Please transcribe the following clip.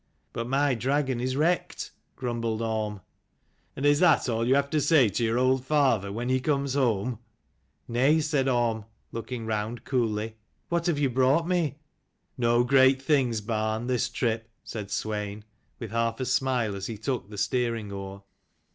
" But my dragon is wrecked," grumbled Orm. " And is that all you have to say to your old father when he comes home? " "Nay," said Orm looking round coolly, "What have ye brought me?" "No great things, barn, this trip," said Swein, with half a smile, as he took the steering oar.